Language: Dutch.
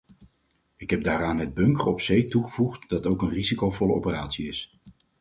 Ik heb daaraan het bunkeren op zee toegevoegd, dat ook een risicovolle operatie is.